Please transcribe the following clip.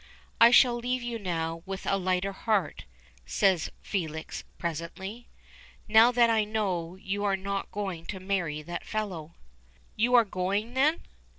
"I shall leave you now with a lighter heart," says Felix presently "now that I know you are not going to marry that fellow." "You are going, then?"